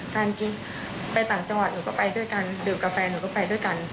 กินไปต่างจังหวัดหนูก็ไปด้วยกันดื่มกับแฟนหนูก็ไปด้วยกัน